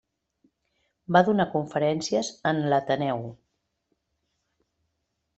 Va donar conferències en l'Ateneu.